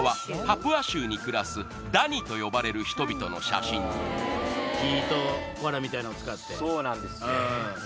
パプア州に暮らすダニと呼ばれる人々の写真木とワラみたいのを使ってそうなんです